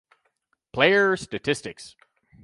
Player Statistics